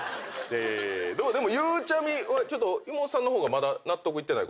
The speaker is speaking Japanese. でもゆうちゃみは妹さんの方がまだ納得いってないことが。